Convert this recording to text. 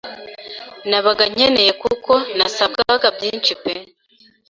nabaga nkeneye kuko nasabwaga byinshi pe